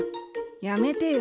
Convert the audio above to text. やめてよ。